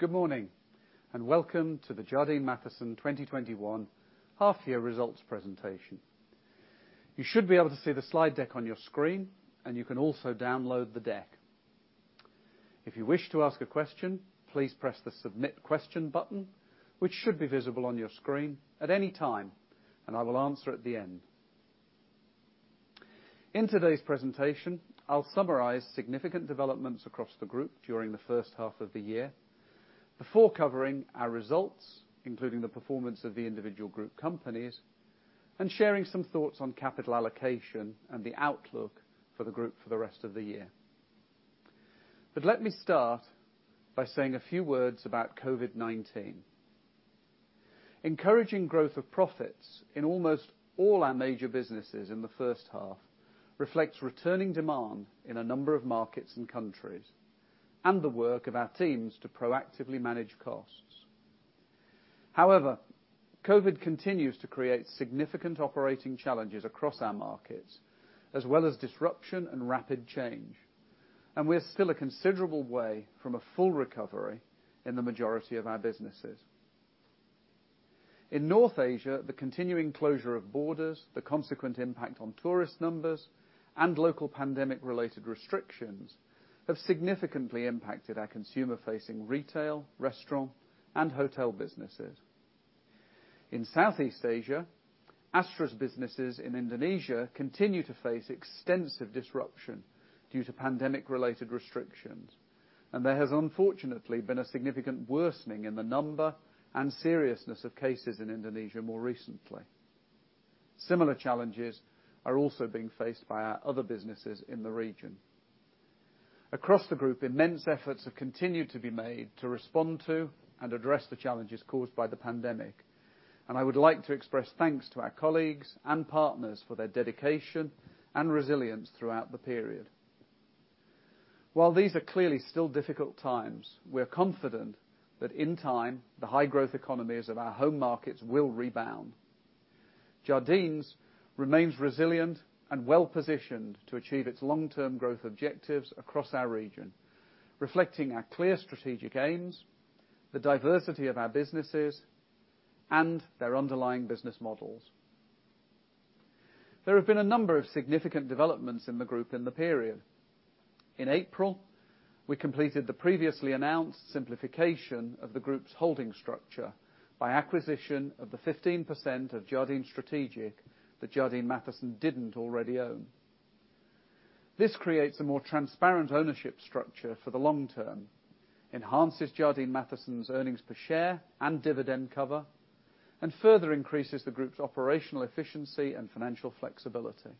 Good morning, and welcome to the Jardine Matheson 2021 half-year results presentation. You should be able to see the slide deck on your screen, and you can also download the deck. If you wish to ask a question, please press the submit question button, which should be visible on your screen, at any time, and I will answer at the end. In today's presentation, I'll summarize significant developments across the group during the first half of the year before covering our results, including the performance of the individual group companies, and sharing some thoughts on capital allocation and the outlook for the group for the rest of the year. Let me start by saying a few words about COVID-19. Encouraging growth of profits in almost all our major businesses in the first half reflects returning demand in a number of markets and countries, and the work of our teams to proactively manage costs. However, COVID continues to create significant operating challenges across our markets, as well as disruption and rapid change, and we're still a considerable way from a full recovery in the majority of our businesses. In North Asia, the continuing closure of borders, the consequent impact on tourist numbers, and local pandemic-related restrictions have significantly impacted our consumer-facing retail, restaurant, and hotel businesses. In Southeast Asia, ASTRA's businesses in Indonesia continue to face extensive disruption due to pandemic-related restrictions, and there has unfortunately been a significant worsening in the number and seriousness of cases in Indonesia more recently. Similar challenges are also being faced by our other businesses in the region. Across the group, immense efforts have continued to be made to respond to and address the challenges caused by the pandemic, and I would like to express thanks to our colleagues and partners for their dedication and resilience throughout the period. While these are clearly still difficult times, we're confident that in time, the high-growth economies of our home markets will rebound. Jardine Matheson remains resilient and well-positioned to achieve its long-term growth objectives across our region, reflecting our clear strategic aims, the diversity of our businesses, and their underlying business models. There have been a number of significant developments in the group in the period. In April, we completed the previously announced simplification of the group's holding structure by acquisition of the 15% of Jardine Strategic that Jardine Matheson didn't already own. This creates a more transparent ownership structure for the long term, enhances Jardine Matheson's earnings per share and dividend cover, and further increases the group's operational efficiency and financial flexibility.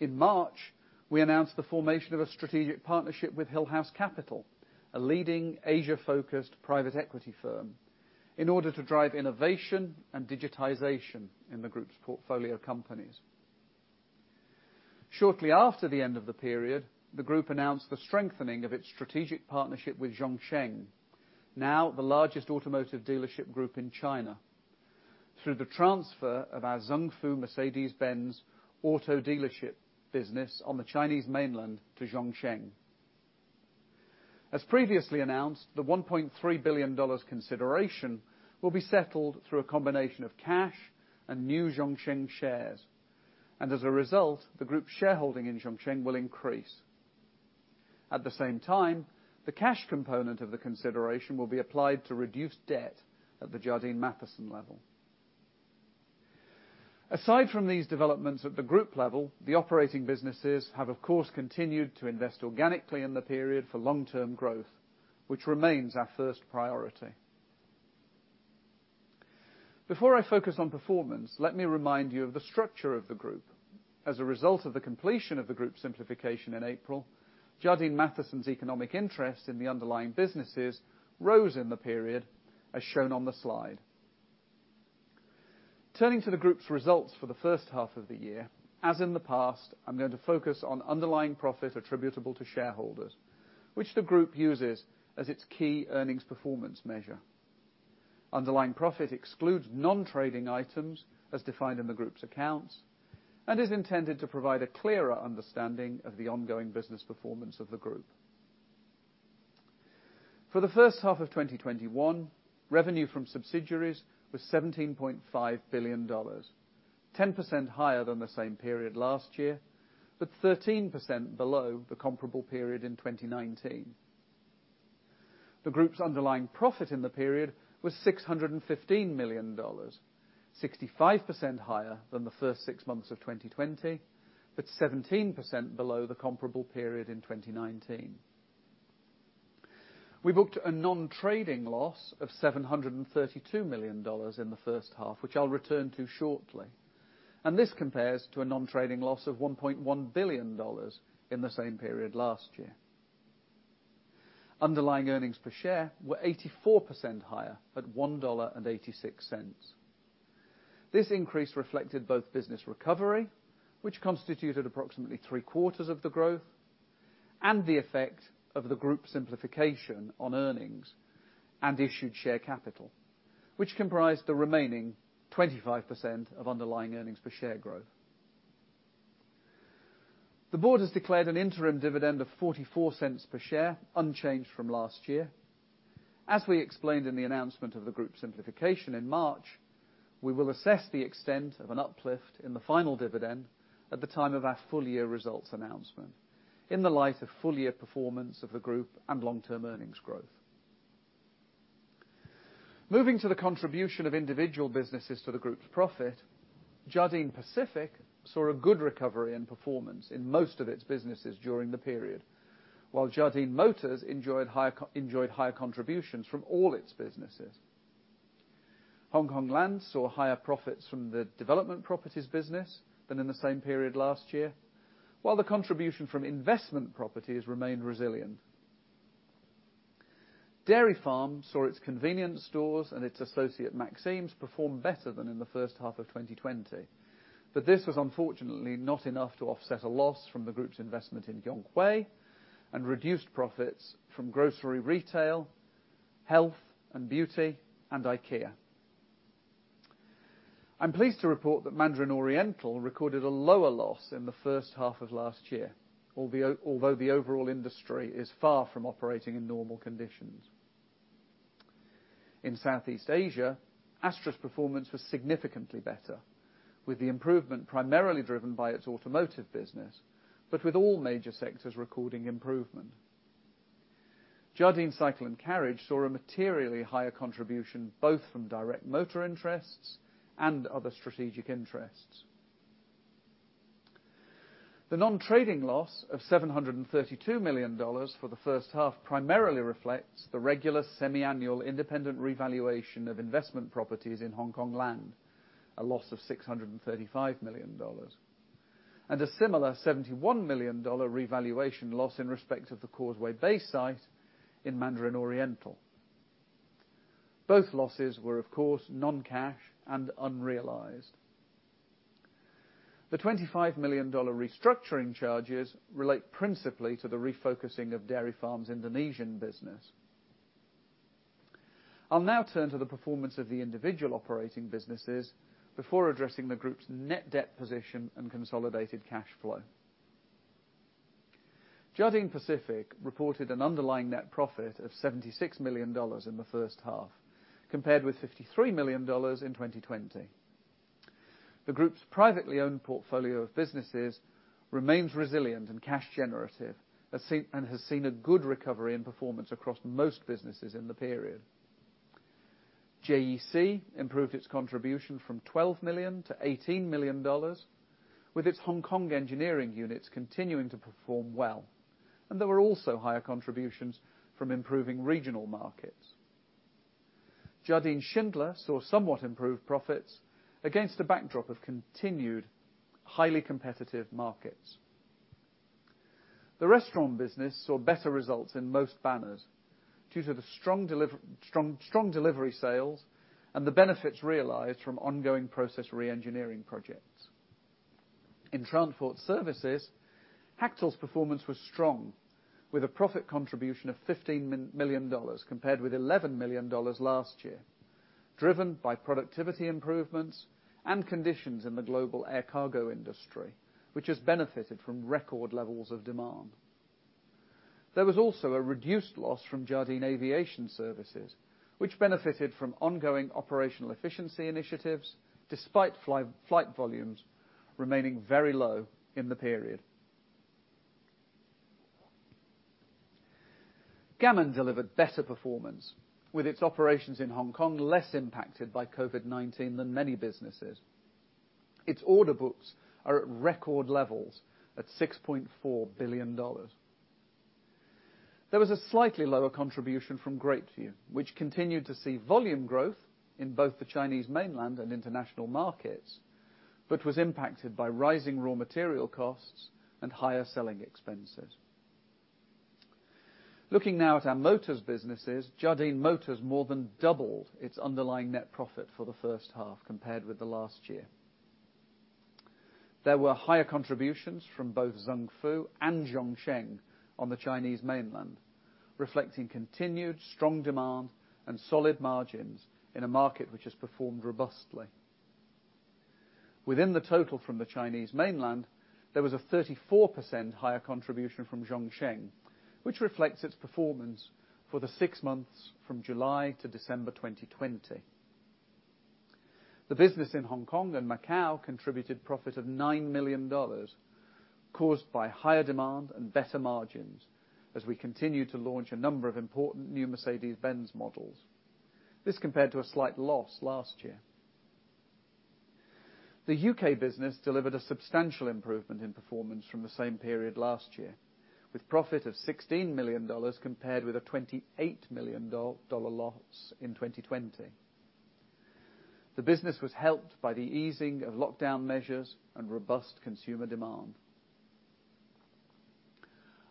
In March, we announced the formation of a strategic partnership with Hill House Capital, a leading Asia-focused private equity firm, in order to drive innovation and digitization in the group's portfolio companies. Shortly after the end of the period, the group announced the strengthening of its strategic partnership with Zhongsheng, now the largest automotive dealership group in China, through the transfer of our Zung Fu Mercedes-Benz auto dealership business on the Chinese mainland to Zhongsheng. As previously announced, the $1.3 billion consideration will be settled through a combination of cash and new Zhongsheng shares, and as a result, the group's shareholding in Zhongsheng will increase. At the same time, the cash component of the consideration will be applied to reduce debt at the Jardine Matheson level. Aside from these developments at the group level, the operating businesses have, of course, continued to invest organically in the period for long-term growth, which remains our first priority. Before I focus on performance, let me remind you of the structure of the group. As a result of the completion of the group simplification in April, Jardine Matheson's economic interest in the underlying businesses rose in the period, as shown on the slide. Turning to the group's results for the first half of the year, as in the past, I'm going to focus on underlying profit attributable to shareholders, which the group uses as its key earnings performance measure. Underlying profit excludes non-trading items as defined in the group's accounts and is intended to provide a clearer understanding of the ongoing business performance of the group. For the first half of 2021, revenue from subsidiaries was $17.5 billion, 10% higher than the same period last year, but 13% below the comparable period in 2019. The group's underlying profit in the period was $615 million, 65% higher than the first six months of 2020, but 17% below the comparable period in 2019. We booked a non-trading loss of $732 million in the first half, which I'll return to shortly, and this compares to a non-trading loss of $1.1 billion in the same period last year. Underlying earnings per share were 84% higher at $1.86. This increase reflected both business recovery, which constituted approximately three-quarters of the growth, and the effect of the group simplification on earnings and issued share capital, which comprised the remaining 25% of underlying earnings per share growth. The board has declared an interim dividend of $0.44 per share, unchanged from last year. As we explained in the announcement of the group simplification in March, we will assess the extent of an uplift in the final dividend at the time of our full-year results announcement in the light of full-year performance of the group and long-term earnings growth. Moving to the contribution of individual businesses to the group's profit, Jardine Pacific saw a good recovery in performance in most of its businesses during the period, while Jardine Motors enjoyed higher contributions from all its businesses. Hong Kong Land saw higher profits from the development properties business than in the same period last year, while the contribution from investment properties remained resilient. Dairy Farm saw its convenience stores and its associate Maxim's perform better than in the first half of 2020, but this was unfortunately not enough to offset a loss from the group's investment in Yonghui and reduced profits from grocery retail, health and beauty, and IKEA. I'm pleased to report that Mandarin Oriental recorded a lower loss in the first half of last year, although the overall industry is far from operating in normal conditions. In Southeast Asia, ASTRA's performance was significantly better, with the improvement primarily driven by its automotive business, but with all major sectors recording improvement. Jardine Cycle & Carriage saw a materially higher contribution both from direct motor interests and other strategic interests. The non-trading loss of $732 million for the first half primarily reflects the regular semi-annual independent revaluation of investment properties in Hong Kong Land, a loss of $635 million, and a similar $71 million revaluation loss in respect of the Causeway Bay site in Mandarin Oriental. Both losses were, of course, non-cash and unrealized. The $25 million restructuring charges relate principally to the refocusing of Dairy Farm's Indonesian business. I'll now turn to the performance of the individual operating businesses before addressing the group's net debt position and consolidated cash flow. Jardine Pacific reported an underlying net profit of $76 million in the first half, compared with $53 million in 2020. The group's privately owned portfolio of businesses remains resilient and cash-generative and has seen a good recovery in performance across most businesses in the period. JEC improved its contribution from $12 million to $18 million, with its Hong Kong engineering units continuing to perform well, and there were also higher contributions from improving regional markets. Jardine Schindler saw somewhat improved profits against a backdrop of continued highly competitive markets. The restaurant business saw better results in most banners due to the strong delivery sales and the benefits realized from ongoing process re-engineering projects. In transport services, Hactel's performance was strong, with a profit contribution of $15 million compared with $11 million last year, driven by productivity improvements and conditions in the global air cargo industry, which has benefited from record levels of demand. There was also a reduced loss from Jardine Aviation Services, which benefited from ongoing operational efficiency initiatives despite flight volumes remaining very low in the period. Gammon delivered better performance, with its operations in Hong Kong less impacted by COVID-19 than many businesses. Its order books are at record levels at $6.4 billion. There was a slightly lower contribution from Grapeview, which continued to see volume growth in both the Chinese mainland and international markets, but was impacted by rising raw material costs and higher selling expenses. Looking now at our motors businesses, Jardine Motors more than doubled its underlying net profit for the first half compared with the last year. There were higher contributions from both Zung Fu and Zhongsheng on the Chinese mainland, reflecting continued strong demand and solid margins in a market which has performed robustly. Within the total from the Chinese mainland, there was a 34% higher contribution from Zhongsheng, which reflects its performance for the six months from July to December 2020. The business in Hong Kong and Macau contributed profit of $9 million caused by higher demand and better margins as we continued to launch a number of important new Mercedes-Benz models. This compared to a slight loss last year. The U.K. business delivered a substantial improvement in performance from the same period last year, with profit of $16 million compared with a $28 million loss in 2020. The business was helped by the easing of lockdown measures and robust consumer demand.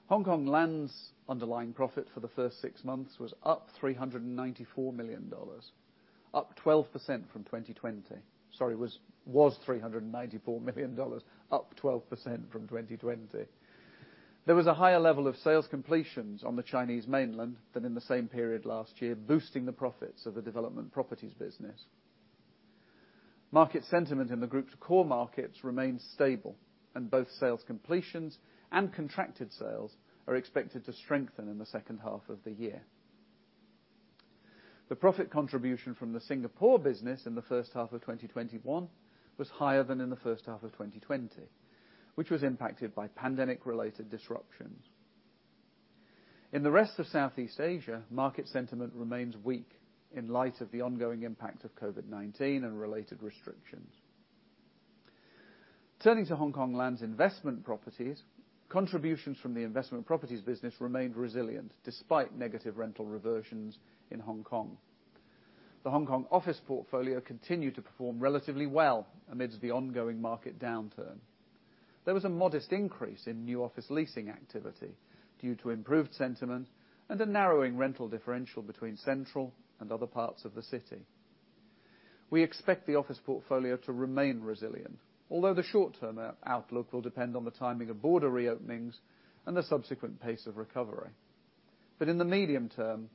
Hong Kong Land's underlying profit for the first six months was $394 million, up 12% from 2020. There was a higher level of sales completions on the Chinese mainland than in the same period last year, boosting the profits of the development properties business. Market sentiment in the group's core markets remains stable, and both sales completions and contracted sales are expected to strengthen in the second half of the year. The profit contribution from the Singapore business in the first half of 2021 was higher than in the first half of 2020, which was impacted by pandemic-related disruptions. In the rest of Southeast Asia, market sentiment remains weak in light of the ongoing impact of COVID-19 and related restrictions. Turning to Hong Kong Land's investment properties, contributions from the investment properties business remained resilient despite negative rental reversions in Hong Kong. The Hong Kong office portfolio continued to perform relatively well amidst the ongoing market downturn. There was a modest increase in new office leasing activity due to improved sentiment and a narrowing rental differential between Central and other parts of the city. We expect the office portfolio to remain resilient, although the short-term outlook will depend on the timing of border reopenings and the subsequent pace of recovery. In the medium term,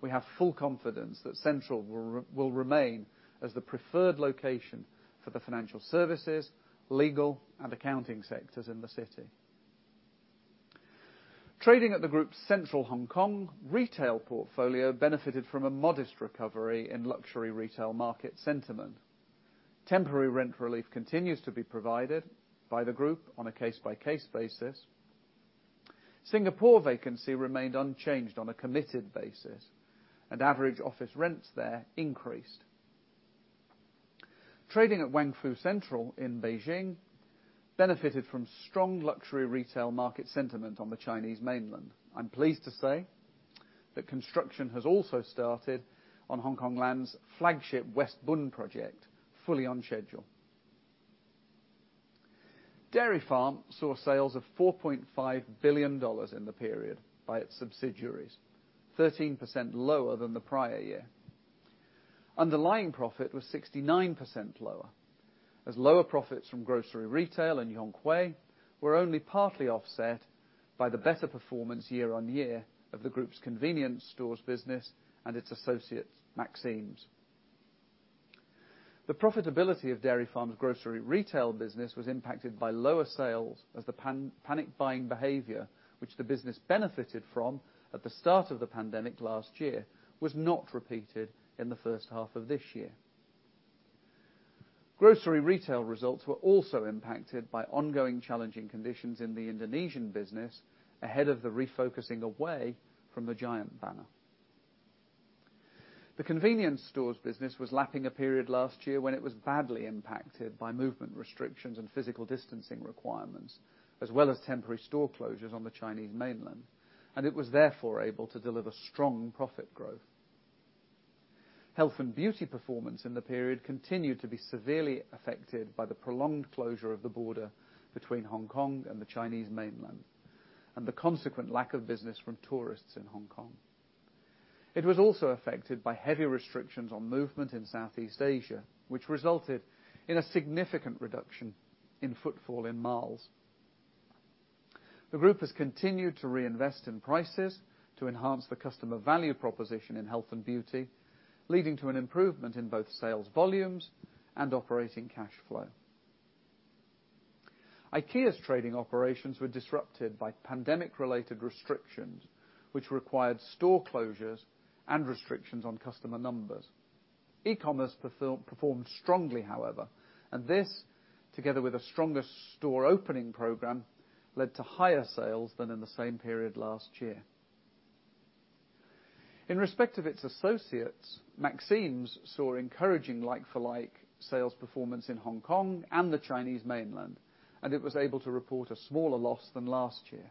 we have full confidence that Central will remain as the preferred location for the financial services, legal, and accounting sectors in the city. Trading at the group's Central Hong Kong retail portfolio benefited from a modest recovery in luxury retail market sentiment. Temporary rent relief continues to be provided by the group on a case-by-case basis. Singapore vacancy remained unchanged on a committed basis, and average office rents there increased. Trading at Wangfu Central in Beijing benefited from strong luxury retail market sentiment on the Chinese mainland. I'm pleased to say that construction has also started on Hong Kong Land's flagship West Bund project, fully on schedule. Dairy Farm saw sales of $4.5 billion in the period by its subsidiaries, 13% lower than the prior year. Underlying profit was 69% lower, as lower profits from grocery retail and Yonghui were only partly offset by the better performance year-on-year of the group's convenience stores business and its associate Maxim's. The profitability of Dairy Farm's grocery retail business was impacted by lower sales as the panic buying behavior, which the business benefited from at the start of the pandemic last year, was not repeated in the first half of this year. Grocery retail results were also impacted by ongoing challenging conditions in the Indonesian business ahead of the refocusing away from the Giant banner. The convenience stores business was lapping a period last year when it was badly impacted by movement restrictions and physical distancing requirements, as well as temporary store closures on the Chinese mainland, and it was therefore able to deliver strong profit growth. Health and beauty performance in the period continued to be severely affected by the prolonged closure of the border between Hong Kong and the Chinese mainland and the consequent lack of business from tourists in Hong Kong. It was also affected by heavy restrictions on movement in Southeast Asia, which resulted in a significant reduction in footfall in Guardian. The group has continued to reinvest in prices to enhance the customer value proposition in health and beauty, leading to an improvement in both sales volumes and operating cash flow. IKEA's trading operations were disrupted by pandemic-related restrictions, which required store closures and restrictions on customer numbers. E-commerce performed strongly, however, and this, together with a stronger store opening program, led to higher sales than in the same period last year. In respect of its associates, Maxim's saw encouraging like-for-like sales performance in Hong Kong and the Chinese mainland, and it was able to report a smaller loss than last year.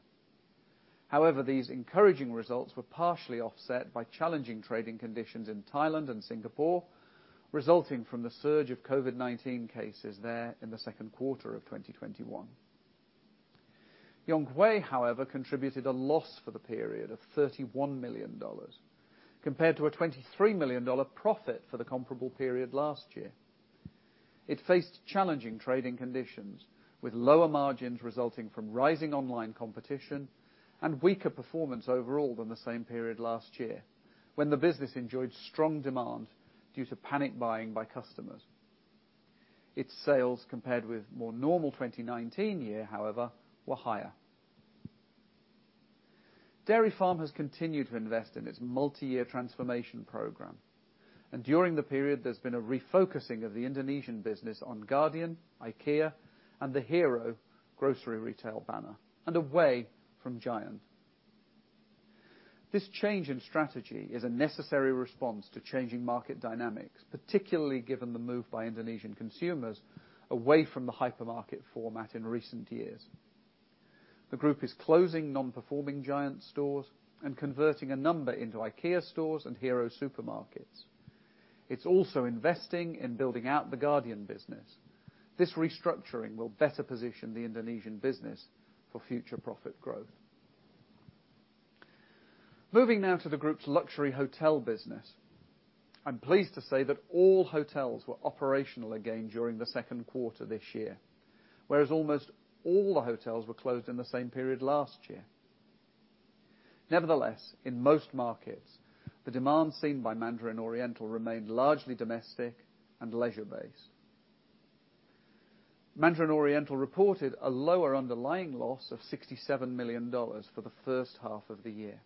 However, these encouraging results were partially offset by challenging trading conditions in Thailand and Singapore, resulting from the surge of COVID-19 cases there in the second quarter of 2021. Yonghui, however, contributed a loss for the period of $31 million compared to a $23 million profit for the comparable period last year. It faced challenging trading conditions, with lower margins resulting from rising online competition and weaker performance overall than the same period last year, when the business enjoyed strong demand due to panic buying by customers. Its sales, compared with a more normal 2019 year, however, were higher. Dairy Farm has continued to invest in its multi-year transformation program, and during the period, there's been a refocusing of the Indonesian business on Guardian, IKEA, and the Hero grocery retail banner, and away from Giant. This change in strategy is a necessary response to changing market dynamics, particularly given the move by Indonesian consumers away from the hypermarket format in recent years. The group is closing non-performing Giant stores and converting a number into IKEA stores and Hero supermarkets. It's also investing in building out the Guardian business. This restructuring will better position the Indonesian business for future profit growth. Moving now to the group's luxury hotel business, I'm pleased to say that all hotels were operational again during the second quarter this year, whereas almost all the hotels were closed in the same period last year. Nevertheless, in most markets, the demand seen by Mandarin Oriental remained largely domestic and leisure-based. Mandarin Oriental reported a lower underlying loss of $67 million for the first half of the year.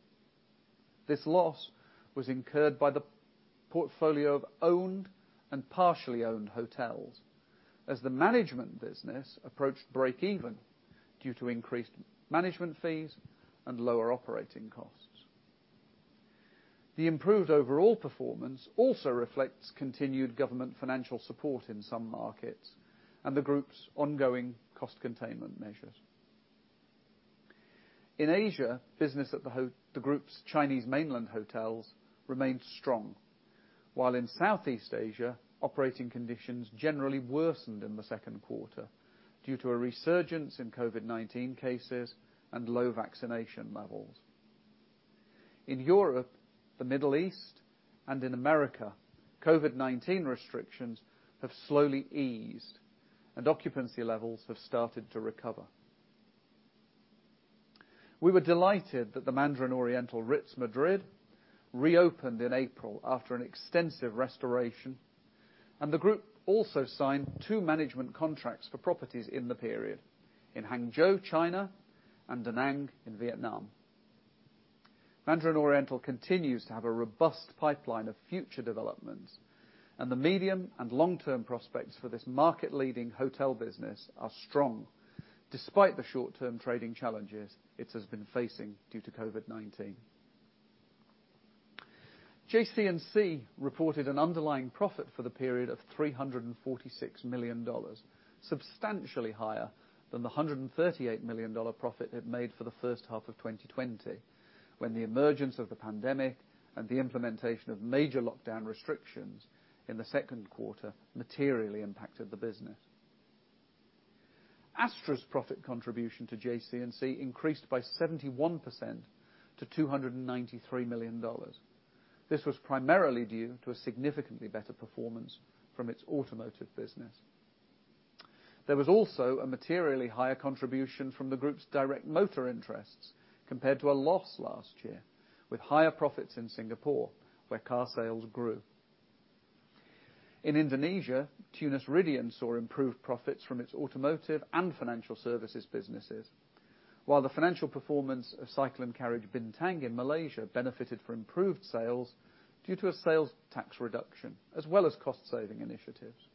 This loss was incurred by the portfolio of owned and partially owned hotels, as the management business approached break-even due to increased management fees and lower operating costs. The improved overall performance also reflects continued government financial support in some markets and the group's ongoing cost containment measures. In Asia, business at the group's Chinese mainland hotels remained strong, while in Southeast Asia, operating conditions generally worsened in the second quarter due to a resurgence in COVID-19 cases and low vaccination levels. In Europe, the Middle East, and in America, COVID-19 restrictions have slowly eased, and occupancy levels have started to recover. We were delighted that the Mandarin Oriental Ritz Madrid reopened in April after an extensive restoration, and the group also signed two management contracts for properties in the period in Hangzhou, China, and Da Nang in Vietnam. Mandarin Oriental continues to have a robust pipeline of future developments, and the medium and long-term prospects for this market-leading hotel business are strong, despite the short-term trading challenges it has been facing due to COVID-19. JC&C reported an underlying profit for the period of $346 million, substantially higher than the $138 million profit it made for the first half of 2020, when the emergence of the pandemic and the implementation of major lockdown restrictions in the second quarter materially impacted the business. ASTRA's profit contribution to JC&C increased by 71% to $293 million. This was primarily due to a significantly better performance from its automotive business. There was also a materially higher contribution from the group's direct motor interests compared to a loss last year, with higher profits in Singapore, where car sales grew. In Indonesia, Tunas Ridean saw improved profits from its automotive and financial services businesses, while the financial performance of Cycle & Carriage Bintang in Malaysia benefited from improved sales due to a sales tax reduction, as well as cost-saving initiatives.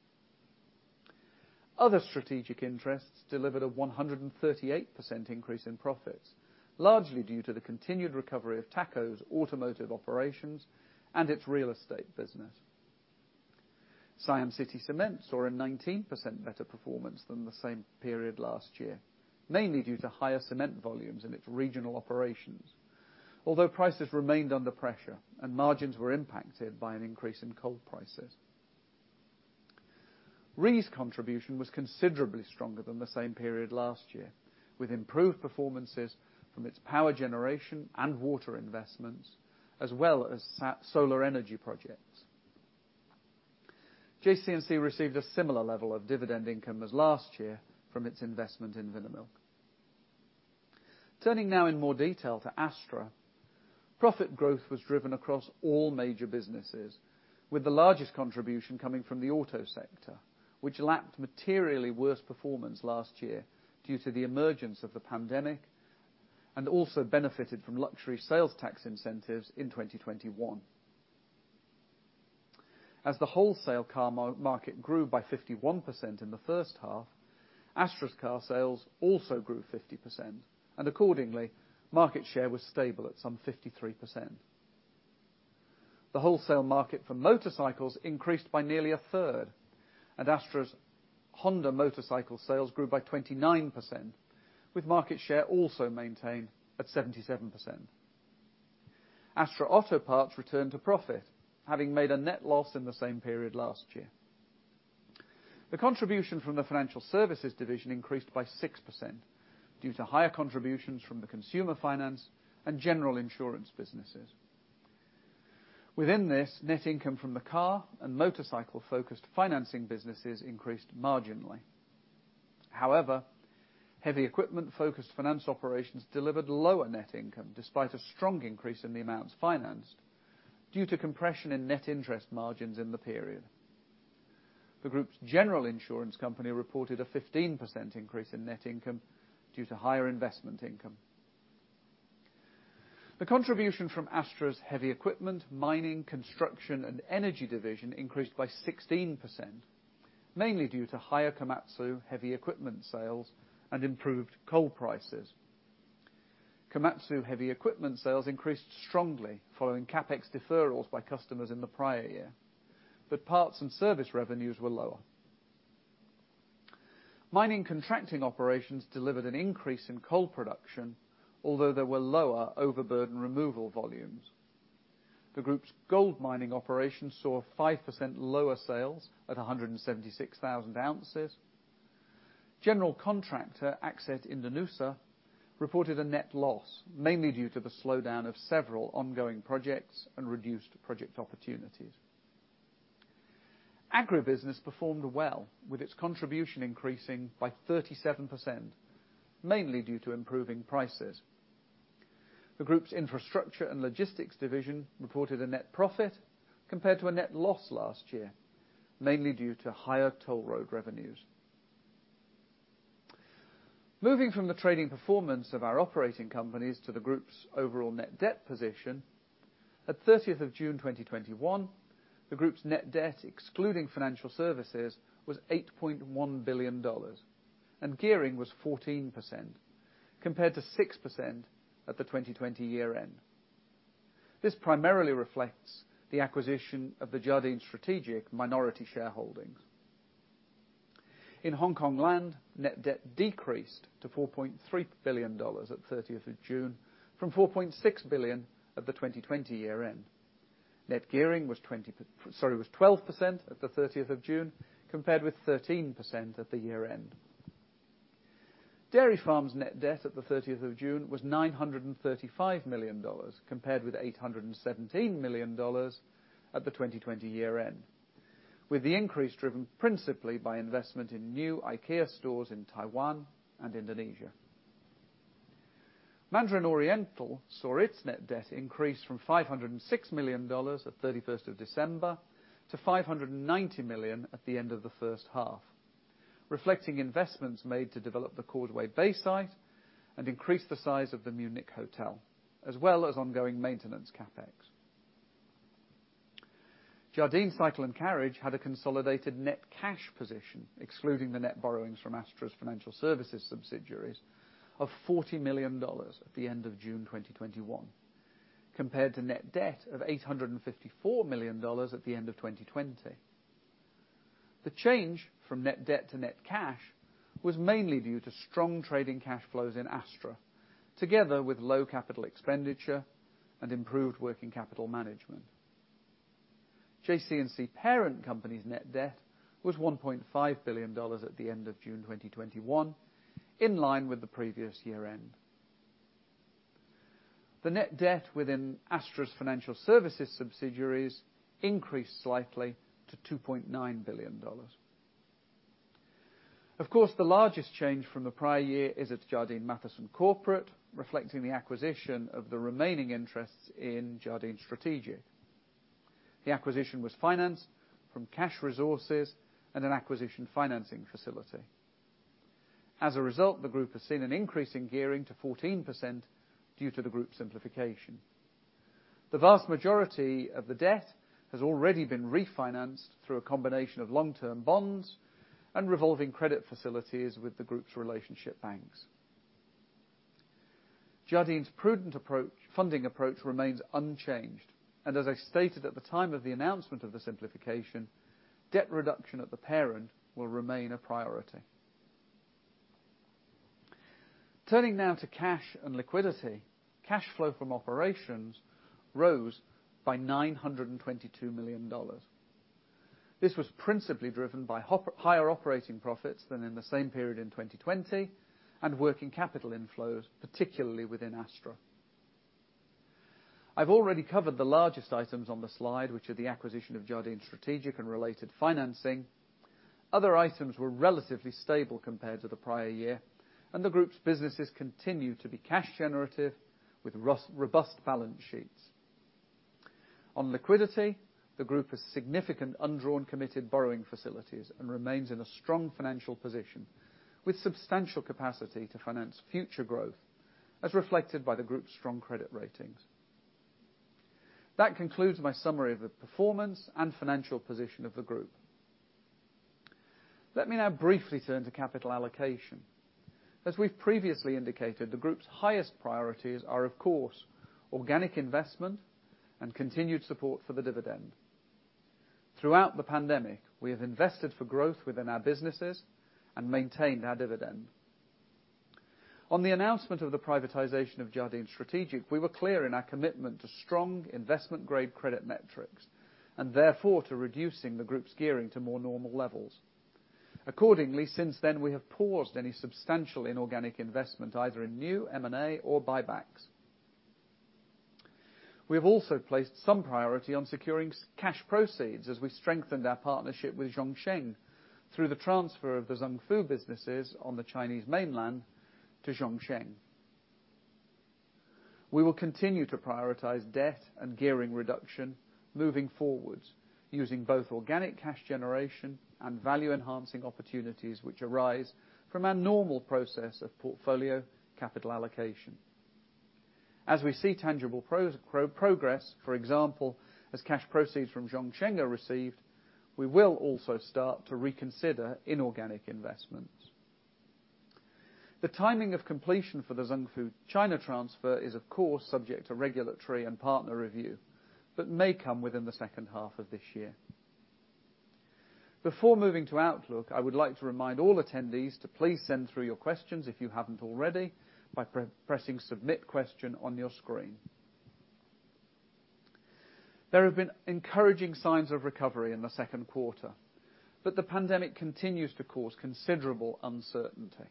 Other strategic interests delivered a 138% increase in profits, largely due to the continued recovery of Thaco's automotive operations and its real estate business. Siam City Cement saw a 19% better performance than the same period last year, mainly due to higher cement volumes in its regional operations, although prices remained under pressure and margins were impacted by an increase in coal prices. Rhee's contribution was considerably stronger than the same period last year, with improved performances from its power generation and water investments, as well as solar energy projects. JC&C received a similar level of dividend income as last year from its investment in Vinamilk. Turning now in more detail to ASTRA, profit growth was driven across all major businesses, with the largest contribution coming from the auto sector, which lapped materially worse performance last year due to the emergence of the pandemic and also benefited from luxury sales tax incentives in 2021. As the wholesale car market grew by 51% in the first half, ASTRA's car sales also grew 50%, and accordingly, market share was stable at some 53%. The wholesale market for motorcycles increased by nearly a third, and ASTRA's Honda motorcycle sales grew by 29%, with market share also maintained at 77%. ASTRA Auto Parts returned to profit, having made a net loss in the same period last year. The contribution from the financial services division increased by 6% due to higher contributions from the consumer finance and general insurance businesses. Within this, net income from the car and motorcycle-focused financing businesses increased marginally. However, heavy equipment-focused finance operations delivered lower net income despite a strong increase in the amounts financed due to compression in net interest margins in the period. The group's general insurance company reported a 15% increase in net income due to higher investment income. The contribution from ASTRA's heavy equipment, mining, construction, and energy division increased by 16%, mainly due to higher Komatsu heavy equipment sales and improved coal prices. Komatsu heavy equipment sales increased strongly following CapEx deferrals by customers in the prior year, but parts and service revenues were lower. Mining contracting operations delivered an increase in coal production, although there were lower overburden removal volumes. The group's gold mining operations saw 5% lower sales at 176,000 ounces. General contractor AXAT Indonesian reported a net loss, mainly due to the slowdown of several ongoing projects and reduced project opportunities. Agribusiness performed well, with its contribution increasing by 37%, mainly due to improving prices. The group's infrastructure and logistics division reported a net profit compared to a net loss last year, mainly due to higher toll road revenues. Moving from the trading performance of our operating companies to the group's overall net debt position, at 30th of June 2021, the group's net debt, excluding financial services, was $8.1 billion, and gearing was 14%, compared to 6% at the 2020 year-end. This primarily reflects the acquisition of the Jardine Strategic minority shareholdings. In Hong Kong Land, net debt decreased to $4.3 billion at 30th of June, from $4.6 billion at the 2020 year-end. Net gearing was 12% at the 30th of June, compared with 13% at the year-end. Dairy Farm's net debt at the 30th of June was $935 million, compared with $817 million at the 2020 year-end, with the increase driven principally by investment in new IKEA stores in Taiwan and Indonesia. Mandarin Oriental saw its net debt increase from $506 million at 31st of December to $590 million at the end of the first half, reflecting investments made to develop the Causeway Bay site and increase the size of the Munich hotel, as well as ongoing maintenance CapEx. Jardine Cycle & Carriage had a consolidated net cash position, excluding the net borrowings from ASTRA's financial services subsidiaries, of $40 million at the end of June 2021, compared to net debt of $854 million at the end of 2020. The change from net debt to net cash was mainly due to strong trading cash flows in ASTRA, together with low capital expenditure and improved working capital management. JC&C parent company's net debt was $1.5 billion at the end of June 2021, in line with the previous year-end. The net debt within ASTRA's financial services subsidiaries increased slightly to $2.9 billion. Of course, the largest change from the prior year is at Jardine Matheson Corporate, reflecting the acquisition of the remaining interests in Jardine Strategic. The acquisition was financed from cash resources and an acquisition financing facility. As a result, the group has seen an increase in gearing to 14% due to the group's simplification. The vast majority of the debt has already been refinanced through a combination of long-term bonds and revolving credit facilities with the group's relationship banks. Jardine's prudent funding approach remains unchanged, and as I stated at the time of the announcement of the simplification, debt reduction at the parent will remain a priority. Turning now to cash and liquidity, cash flow from operations rose by $922 million. This was principally driven by higher operating profits than in the same period in 2020 and working capital inflows, particularly within ASTRA. I've already covered the largest items on the slide, which are the acquisition of Jardine Strategic and related financing. Other items were relatively stable compared to the prior year, and the group's businesses continue to be cash-generative with robust balance sheets. On liquidity, the group has significant undrawn committed borrowing facilities and remains in a strong financial position with substantial capacity to finance future growth, as reflected by the group's strong credit ratings. That concludes my summary of the performance and financial position of the group. Let me now briefly turn to capital allocation. As we've previously indicated, the group's highest priorities are, of course, organic investment and continued support for the dividend. Throughout the pandemic, we have invested for growth within our businesses and maintained our dividend. On the announcement of the privatization of Jardine Strategic, we were clear in our commitment to strong investment-grade credit metrics and therefore to reducing the group's gearing to more normal levels. Accordingly, since then, we have paused any substantial inorganic investment, either in new M&A or buybacks. We have also placed some priority on securing cash proceeds as we strengthened our partnership with Zhongsheng through the transfer of the Zung Fu businesses on the Chinese mainland to Zhongsheng. We will continue to prioritize debt and gearing reduction moving forwards, using both organic cash generation and value-enhancing opportunities which arise from our normal process of portfolio capital allocation. As we see tangible progress, for example, as cash proceeds from Zhongsheng are received, we will also start to reconsider inorganic investments. The timing of completion for the Zung Fu China transfer is, of course, subject to regulatory and partner review but may come within the second half of this year. Before moving to Outlook, I would like to remind all attendees to please send through your questions if you have not already by pressing Submit Question on your screen. There have been encouraging signs of recovery in the second quarter, but the pandemic continues to cause considerable uncertainty.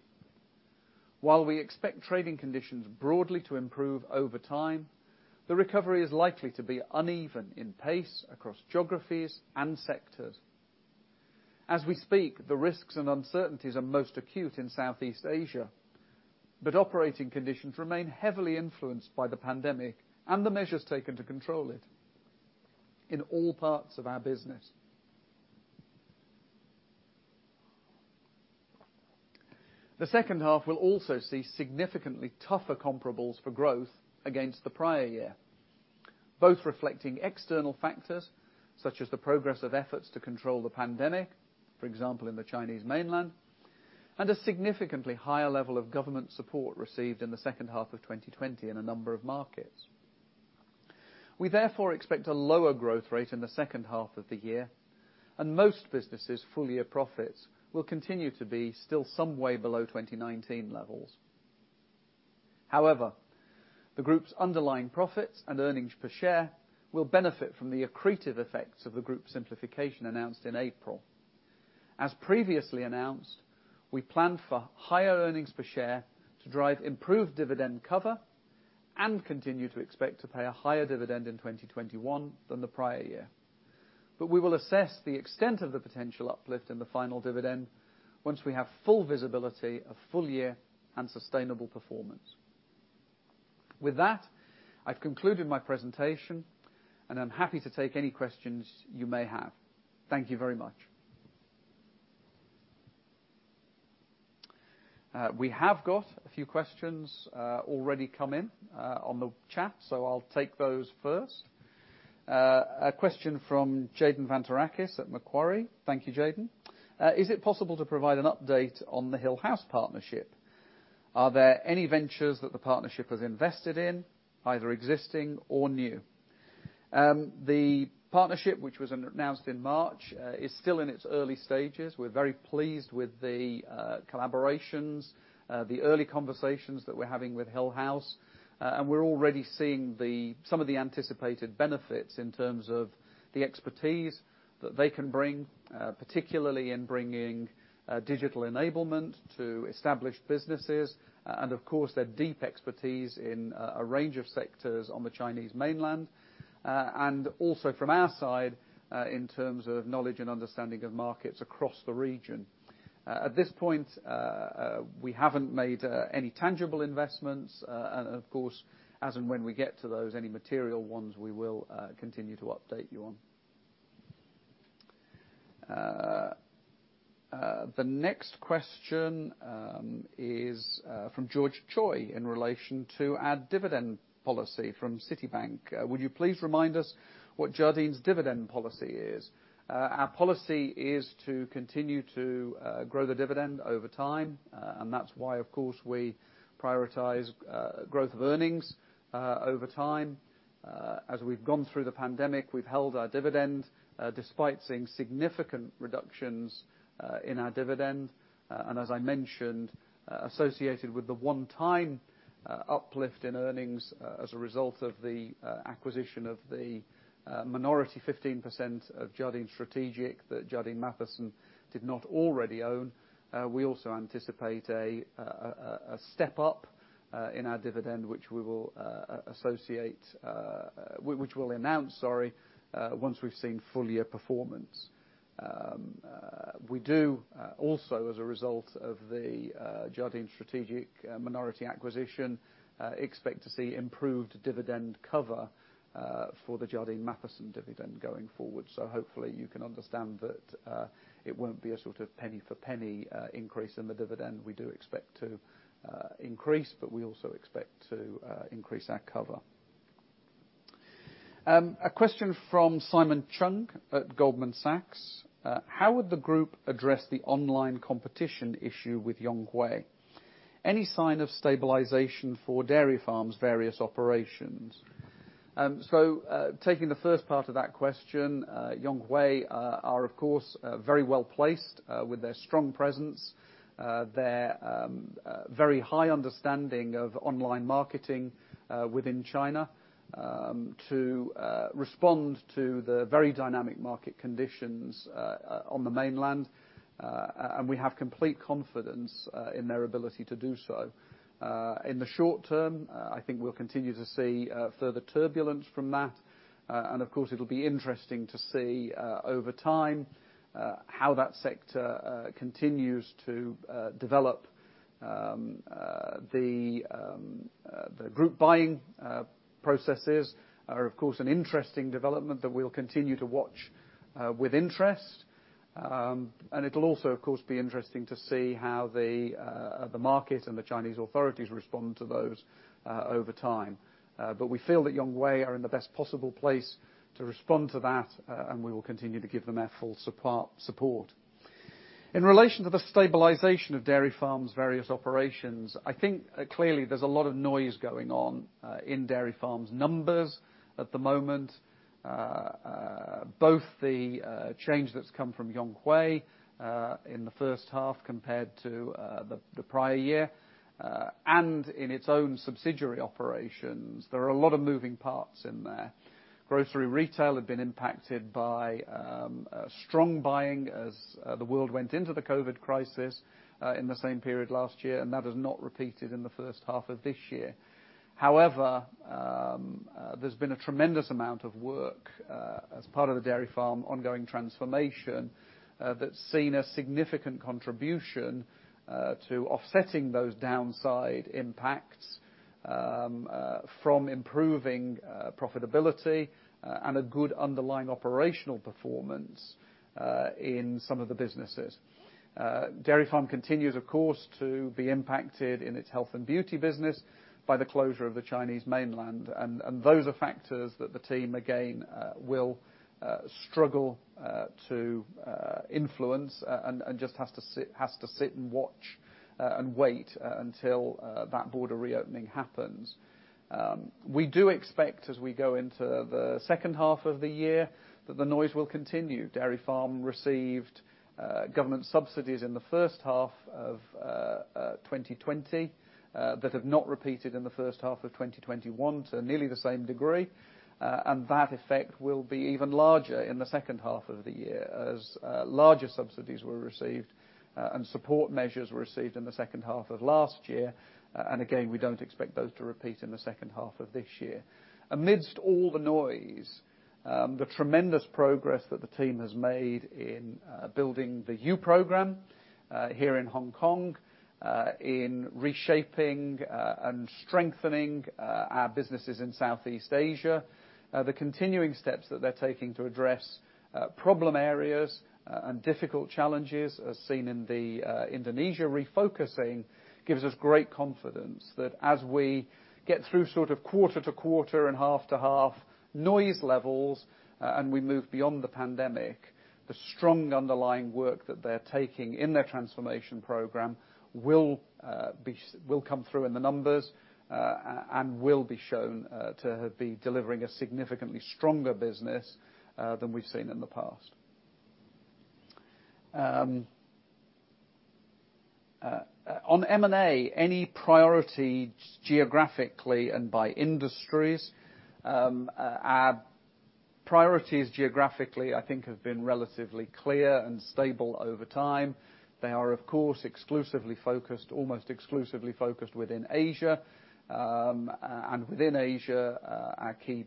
While we expect trading conditions broadly to improve over time, the recovery is likely to be uneven in pace across geographies and sectors. As we speak, the risks and uncertainties are most acute in Southeast Asia, but operating conditions remain heavily influenced by the pandemic and the measures taken to control it in all parts of our business. The second half will also see significantly tougher comparables for growth against the prior year, both reflecting external factors such as the progress of efforts to control the pandemic, for example, in the Chinese mainland, and a significantly higher level of government support received in the second half of 2020 in a number of markets. We therefore expect a lower growth rate in the second half of the year, and most businesses' full-year profits will continue to be still some way below 2019 levels. However, the group's underlying profits and earnings per share will benefit from the accretive effects of the group simplification announced in April. As previously announced, we plan for higher earnings per share to drive improved dividend cover and continue to expect to pay a higher dividend in 2021 than the prior year, but we will assess the extent of the potential uplift in the final dividend once we have full visibility of full-year and sustainable performance. With that, I've concluded my presentation, and I'm happy to take any questions you may have. Thank you very much. We have got a few questions already come in on the chat, so I'll take those first. A question from Jayden Vantarakis at Macquarie. Thank you, Jayden. Is it possible to provide an update on the Hill House Partnership? Are there any ventures that the partnership has invested in, either existing or new? The partnership, which was announced in March, is still in its early stages. We're very pleased with the collaborations, the early conversations that we're having with Hill House, and we're already seeing some of the anticipated benefits in terms of the expertise that they can bring, particularly in bringing digital enablement to established businesses and, of course, their deep expertise in a range of sectors on the Chinese mainland and also from our side in terms of knowledge and understanding of markets across the region. At this point, we haven't made any tangible investments, and of course, as and when we get to those, any material ones we will continue to update you on. The next question is from George Choi in relation to our dividend policy from Citibank. Would you please remind us what Jardine's dividend policy is? Our policy is to continue to grow the dividend over time, and that's why, of course, we prioritize growth of earnings over time. As we've gone through the pandemic, we've held our dividend despite seeing significant reductions in our dividend, and as I mentioned, associated with the one-time uplift in earnings as a result of the acquisition of the minority 15% of Jardine Strategic that Jardine Matheson did not already own, we also anticipate a step up in our dividend, which we will announce once we've seen full-year performance. We do also, as a result of the Jardine Strategic minority acquisition, expect to see improved dividend cover for the Jardine Matheson dividend going forward. Hopefully, you can understand that it won't be a sort of penny-for-penny increase in the dividend. We do expect to increase, but we also expect to increase our cover. A question from Simon Cheung at Goldman Sachs. How would the group address the online competition issue with Yonghui? Any sign of stabilization for Dairy Farm's various operations? Taking the first part of that question, Yonghui are, of course, very well placed with their strong presence, their very high understanding of online marketing within China to respond to the very dynamic market conditions on the mainland, and we have complete confidence in their ability to do so. In the short term, I think we'll continue to see further turbulence from that, and of course, it'll be interesting to see over time how that sector continues to develop. The group buying processes are, of course, an interesting development that we'll continue to watch with interest, and it'll also, of course, be interesting to see how the market and the Chinese authorities respond to those over time. We feel that Yonghui are in the best possible place to respond to that, and we will continue to give them our full support. In relation to the stabilization of Dairy Farm's various operations, I think clearly there's a lot of noise going on in Dairy Farm's numbers at the moment, both the change that's come from Yonghui in the first half compared to the prior year and in its own subsidiary operations. There are a lot of moving parts in there. Grocery retail had been impacted by strong buying as the world went into the COVID crisis in the same period last year, and that has not repeated in the first half of this year. However, there's been a tremendous amount of work as part of the Dairy Farm ongoing transformation that's seen a significant contribution to offsetting those downside impacts from improving profitability and a good underlying operational performance in some of the businesses. Dairy Farm continues, of course, to be impacted in its health and beauty business by the closure of the Chinese mainland, and those are factors that the team, again, will struggle to influence and just has to sit and watch and wait until that border reopening happens. We do expect, as we go into the second half of the year, that the noise will continue. Dairy Farm received government subsidies in the first half of 2020 that have not repeated in the first half of 2021 to nearly the same degree, and that effect will be even larger in the second half of the year as larger subsidies were received and support measures were received in the second half of last year. We don't expect those to repeat in the second half of this year. Amidst all the noise, the tremendous progress that the team has made in building the U program here in Hong Kong, in reshaping and strengthening our businesses in Southeast Asia, the continuing steps that they're taking to address problem areas and difficult challenges as seen in Indonesia, refocusing gives us great confidence that as we get through sort of quarter to quarter and half to half noise levels and we move beyond the pandemic, the strong underlying work that they're taking in their transformation program will come through in the numbers and will be shown to be delivering a significantly stronger business than we've seen in the past. On M&A, any priority geographically and by industries? Our priorities geographically, I think, have been relatively clear and stable over time. They are, of course, almost exclusively focused within Asia, and within Asia, our key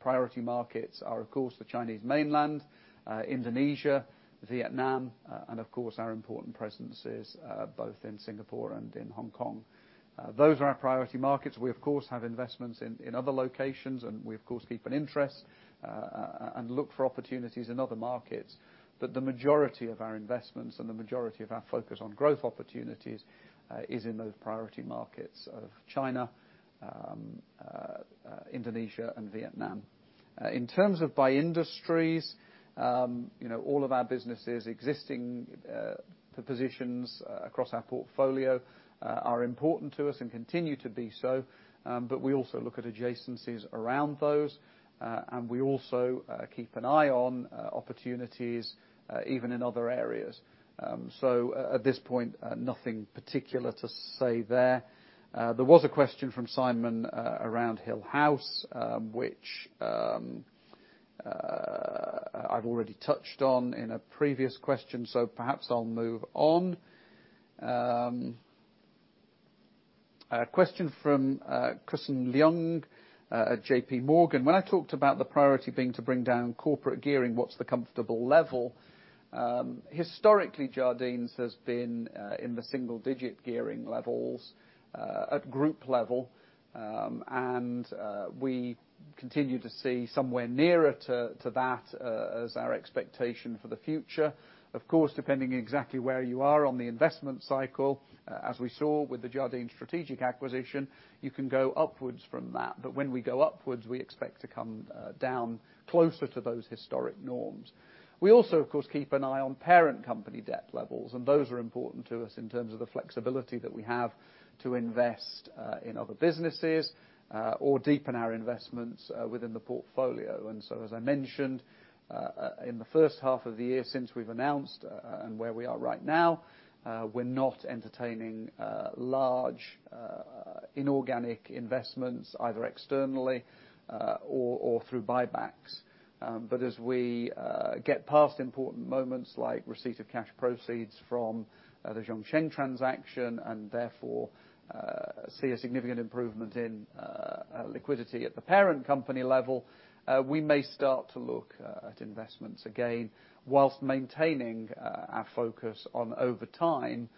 priority markets are, of course, the Chinese mainland, Indonesia, Vietnam, and, of course, our important presences both in Singapore and in Hong Kong. Those are our priority markets. We, of course, have investments in other locations, and we, of course, keep an interest and look for opportunities in other markets, but the majority of our investments and the majority of our focus on growth opportunities is in those priority markets of China, Indonesia, and Vietnam. In terms of by industries, all of our businesses, existing positions across our portfolio are important to us and continue to be so, but we also look at adjacencies around those, and we also keep an eye on opportunities even in other areas. At this point, nothing particular to say there. There was a question from Simon around Hill House, which I've already touched on in a previous question, so perhaps I'll move on. A question from Chris Leung at J.P. Morgan. When I talked about the priority being to bring down corporate gearing, what's the comfortable level? Historically, Jardine's has been in the single-digit gearing levels at group level, and we continue to see somewhere nearer to that as our expectation for the future. Of course, depending exactly where you are on the investment cycle, as we saw with the Jardine Strategic acquisition, you can go upwards from that, but when we go upwards, we expect to come down closer to those historic norms. We also, of course, keep an eye on parent company debt levels, and those are important to us in terms of the flexibility that we have to invest in other businesses or deepen our investments within the portfolio. As I mentioned, in the first half of the year since we've announced and where we are right now, we're not entertaining large inorganic investments, either externally or through buybacks. As we get past important moments like receipt of cash proceeds from the Zhongsheng transaction and therefore see a significant improvement in liquidity at the parent company level, we may start to look at investments again whilst maintaining our focus on, over time,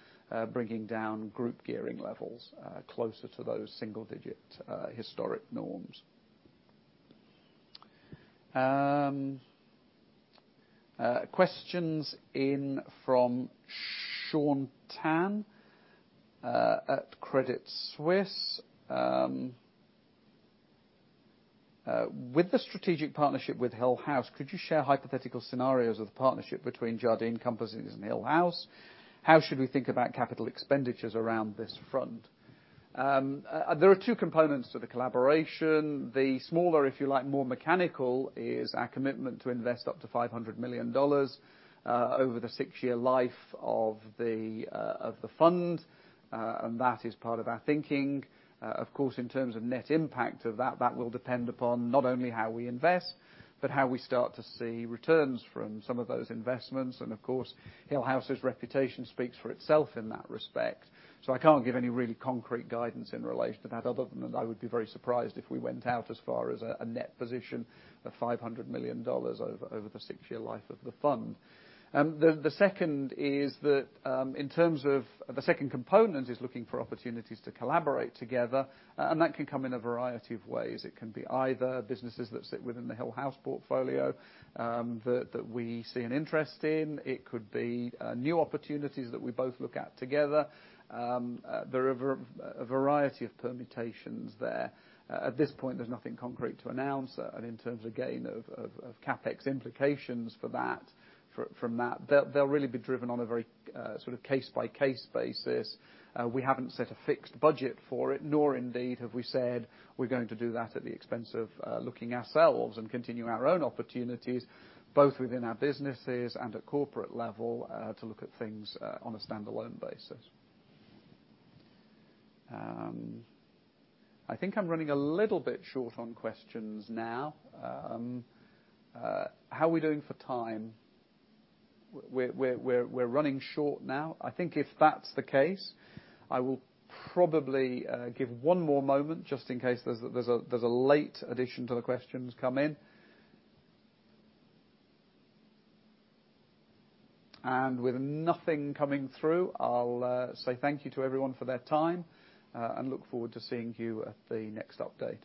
bringing down group gearing levels closer to those single-digit historic norms. Questions in from Sean Tan at Credit Suisse. With the strategic partnership with Hill House, could you share hypothetical scenarios of the partnership between Jardine Companies and Hill House? How should we think about capital expenditures around this front? There are two components to the collaboration. The smaller, if you like, more mechanical is our commitment to invest up to $500 million over the six-year life of the fund, and that is part of our thinking. Of course, in terms of net impact of that, that will depend upon not only how we invest, but how we start to see returns from some of those investments, and of course, Hill House's reputation speaks for itself in that respect. I can't give any really concrete guidance in relation to that other than that I would be very surprised if we went out as far as a net position of $500 million over the six-year life of the fund. The second is that in terms of the second component is looking for opportunities to collaborate together, and that can come in a variety of ways. It can be either businesses that sit within the Hill House Capital portfolio that we see an interest in. It could be new opportunities that we both look at together. There are a variety of permutations there. At this point, there's nothing concrete to announce, and in terms of, again, of CapEx implications for that, from that, they'll really be driven on a very sort of case-by-case basis. We haven't set a fixed budget for it, nor indeed have we said we're going to do that at the expense of looking ourselves and continuing our own opportunities, both within our businesses and at corporate level to look at things on a standalone basis. I think I'm running a little bit short on questions now. How are we doing for time? We're running short now. I think if that's the case, I will probably give one more moment just in case there's a late addition to the questions come in. With nothing coming through, I'll say thank you to everyone for their time and look forward to seeing you at the next update.